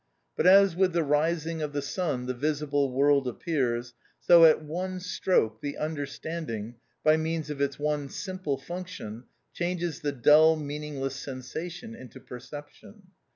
But as with the rising of the sun the visible world appears, so at one stroke, the understanding, by means of its one simple function, changes the dull, meaningless sensation into perception.